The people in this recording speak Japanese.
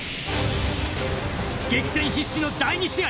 激戦必至の第二試合